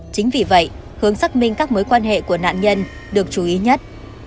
chính vì vậy hướng xác minh các mối quan hệ của nạn nhân được chú ý nhất